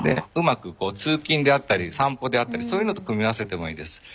うまく通勤であったり散歩であったりそういうのと組み合わせてもいいです。